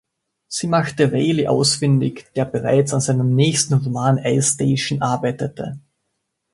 Sie machte Reilly ausfindig, der bereits an seinem nächsten Roman "Ice Station" arbeitete.